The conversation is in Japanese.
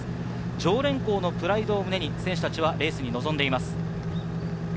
常連校のプライドを胸に選手たちはレースに臨んでいます。